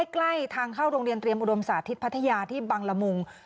ใกล้ทางเข้าโรงเรียนเตรียมอุดมสาธิตพัทยาที่บังละมุง